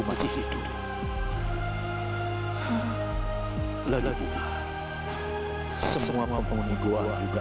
rachel dia tamu dia dulunya